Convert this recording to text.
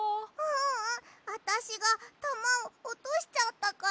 ううん。あたしがたまをおとしちゃったから。